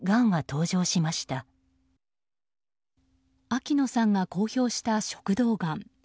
秋野さんが公表した食道がん。